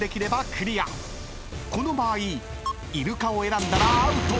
［この場合イルカを選んだらアウト］